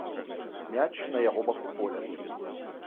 Мяч на яго баку поля.